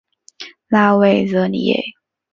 拉维热里耶。